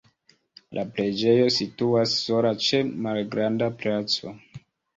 La preĝejo situas sola ĉe malgranda placo.